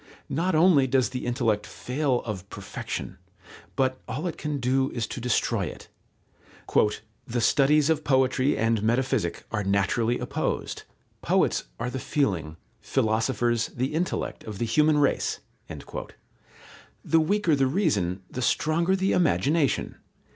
Not only does the intellect fail of perfection, but all it can do is to destroy it. "The studies of Poetry and Metaphysic are naturally opposed. Poets are the feeling, philosophers the intellect of the human race." The weaker the reason, the stronger the imagination.